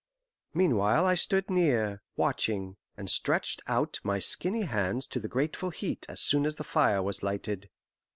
Meanwhile I stood near, watching, and stretched out my skinny hands to the grateful heat as soon as the fire was lighted.